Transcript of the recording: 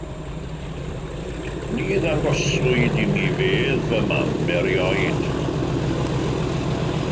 Ni ddangoswyd i mi fedd fy mam erioed.